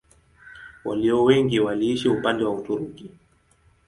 Walio wengi waliishi upande wa Uturuki.